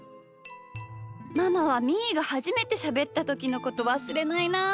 ママはみーがはじめてしゃべったときのことわすれないなあ。